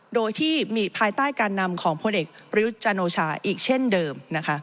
โดยที่มีภายใต้การนำของพลเอกประยุทธ์จันโอชาอีกเช่นเดิม